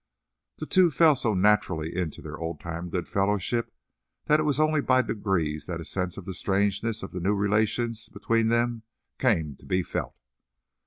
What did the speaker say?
The two fell so naturally into their old time goodfellowship that it was only by degrees that a sense of the strangeness of the new relations between them came to be felt.